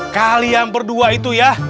kalian berdua itu ya